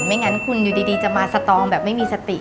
งั้นคุณอยู่ดีจะมาสตองแบบไม่มีสติ